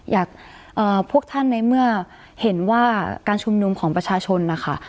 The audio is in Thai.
อยากพวกท่านในเมื่อเห็นว่าการชุมนุมของประชาชนนะคะ